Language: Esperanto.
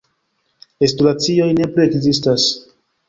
Restoracioj ne plu ekzistas.